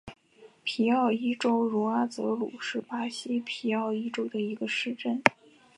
皮奥伊州茹阿泽鲁是巴西皮奥伊州的一个市镇。